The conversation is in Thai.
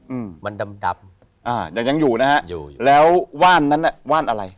อืมมันดำดำอ่ายังอยู่นะฮะอยู่แล้วว่านนั้นน่ะว่านอะไร